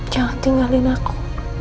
jangan tinggalin aku